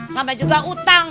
sampe juga utang